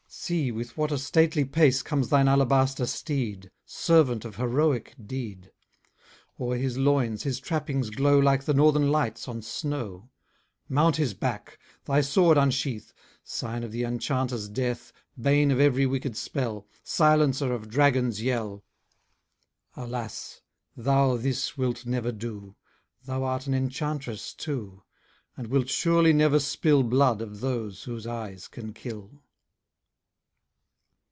See with what a stately pace Comes thine alabaster steed; Servant of heroic deed! O'er his loins, his trappings glow Like the northern lights on snow. Mount his back! thy sword unsheath! Sign of the enchanter's death; Bane of every wicked spell; Silencer of dragon's yell. Alas! thou this wilt never do: Thou art an enchantress too, And wilt surely never spill Blood of those whose eyes can kill.